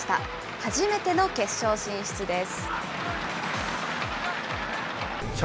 初めての決勝進出です。